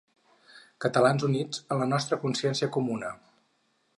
Catalans units en la nostra consciència comuna!